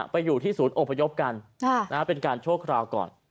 ไปอยู่ที่ศูนย์อพยพกันเป็นการชั่วคราวก่อน